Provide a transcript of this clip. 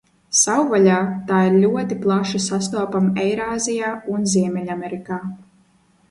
Savvaļā tā ir ļoti plaši sastopama Eirāzijā un Ziemeļamerikā.